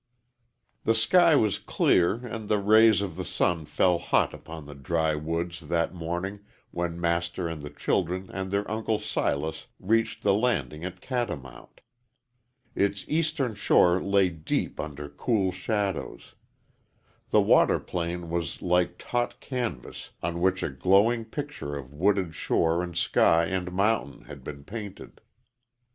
THE sky was clear, and the rays of the sun fell hot upon the dry woods that morning when Master and the children and their Uncle Silas reached the landing at Catamount. Its eastern shore lay deep under cool shadows. The water plane was like taut canvas on which a glowing picture of wooded shore and sky and mountain had been painted.